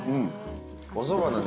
おそばのね